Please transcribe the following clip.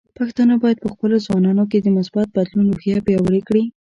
پښتانه بايد په خپلو ځوانانو کې د مثبت بدلون روحیه پیاوړې کړي.